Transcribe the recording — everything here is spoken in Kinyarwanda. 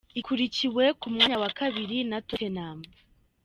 Ikurikiwe ku mwanya wa kabiri na Tottenham.